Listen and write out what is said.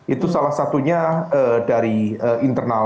itu salah satunya dari internal genindera itu sendiri